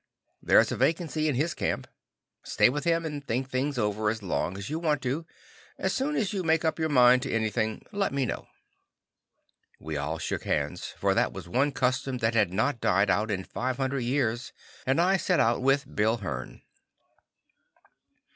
There's a vacancy in his camp. Stay with him and think things over as long as you want to. As soon as you make up your mind to anything, let me know." We all shook hands, for that was one custom that had not died out in five hundred years, and I set out with Bill Hearn.